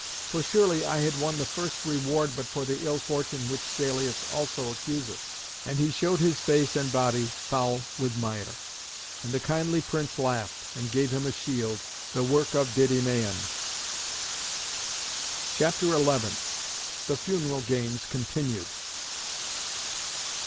For surely I had won the first reward but for the ill fortune which Salius also accuseth." And he showed his face and body foul with mire. And the kindly prince laughed, and gave him a shield, the work of Didymaon. CHAPTER XI. THE FUNERAL GAMES (CONTINUED).